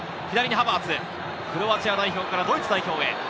左にハバーツ、クロアチア代表からドイツ代表へ。